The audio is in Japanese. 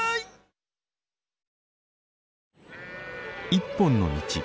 「一本の道」。